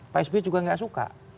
pak sby juga nggak suka